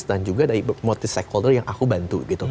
dan juga dari multi stakeholder yang aku bantu